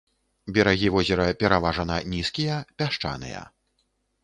Берагі возера пераважана нізкія, пясчаныя.